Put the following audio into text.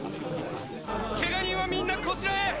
ケガ人はみんなこちらへ！！